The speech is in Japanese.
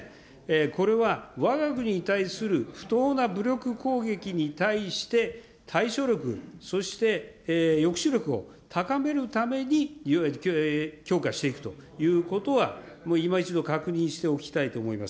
これはわが国に対する不当な武力攻撃に対して対処力、そして抑止力を高めるために、強化していくということは、いま一度確認しておきたいと思います。